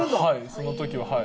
そのときははい。